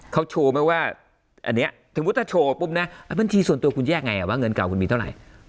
เขาโชว์ไหมถ้าโชว์ปุ๊บนะผู้ชมคือบางทีส่วนตัวแยกไงเนี่ยว้ากินเงินแต่เท่าไหร่